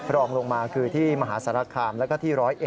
รองลงมาคือที่มหาสารคามแล้วก็ที่๑๐๑